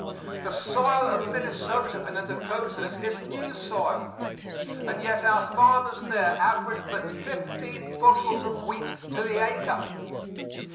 The soil of Minnesota and the Dakotas is new soil, and yet our farmers there average but fifteen bushels of wheat to the acre.